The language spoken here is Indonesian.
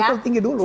call tinggi dulu